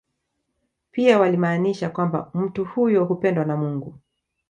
Pia walimaanisha kwamba mtu huyo hupendwa na Mungu